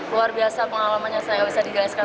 luar biasa pengalamannya saya bisa digagaskan